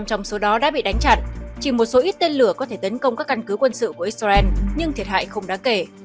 trong số đó đã bị đánh chặn chỉ một số ít tên lửa có thể tấn công các căn cứ quân sự của israel nhưng thiệt hại không đáng kể